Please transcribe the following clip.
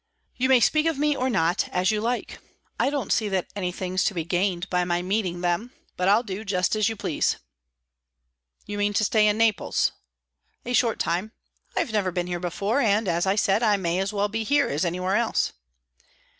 "You may speak of me or not, as you like. I don't see that anything's to be gained by my meeting them; but I'll do just as you please." "You mean to stay in Naples?" "A short time. I've never been here before, and, as I said, I may as well be here as anywhere else."